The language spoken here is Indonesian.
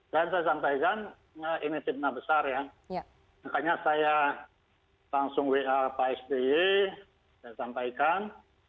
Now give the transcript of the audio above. dan saya sampaikan ini cipta besar ya makanya saya langsung wa pak sdy saya sampaikan